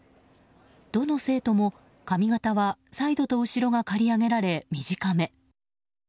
どの生徒も髪形はサイドと後ろが刈り上げられ短め。